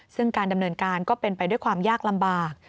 ซึ่งการดำเนินการก็เป็นไปด้วยความยากลำบาก